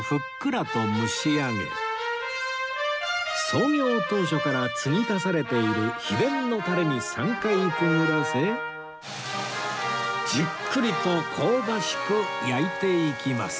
創業当初から継ぎ足されている秘伝のタレに３回くぐらせじっくりと香ばしく焼いていきます